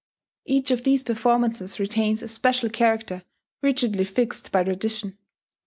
Each of these performances retains a special character rigidly fixed by tradition.